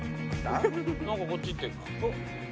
何かこっちって。